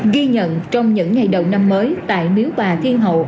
ghi nhận trong những ngày đầu năm mới tại miếu bà thiên hậu